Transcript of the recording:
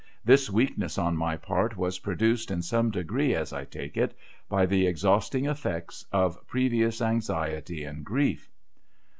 This weakness on my part was produced in some degree, as I take it, by the exhausting eftects of previous anxiety and grief.